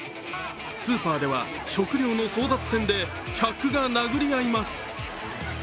スーパーでは食料の争奪戦で客が殴り合います。